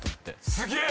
すげえ！